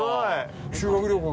修学旅行